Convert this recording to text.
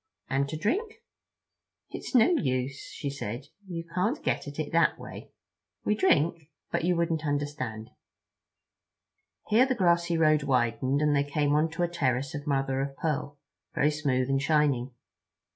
"And to drink?" "It's no use," said she; "you can't get at it that way. We drink—but you wouldn't understand." Here the grassy road widened, and they came onto a terrace of mother of pearl, very smooth and shining.